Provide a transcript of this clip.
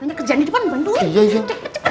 banyak kerjaan di depan bantuin